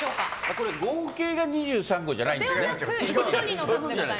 これ合計が２３個じゃないんですね。